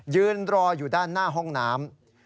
ยืนรออยู่ด้านหน้าห้องน้ำ